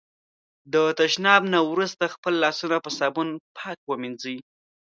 د تشناب نه وروسته خپل لاسونه په صابون پاک ومېنځی.